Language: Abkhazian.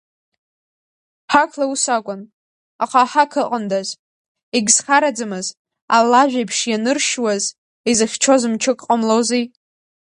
Ҳақла ус акәын, аха аҳақ ыҟандаз егьзхараӡамыз, алажә еиԥш, ианыршьуаз изыхьчоз мчык ҟамлози!